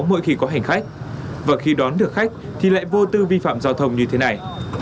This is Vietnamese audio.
mỗi khi có hành khách và khi đón được khách thì lại vô tư vi phạm giao thông như thế này